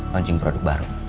launching produk baru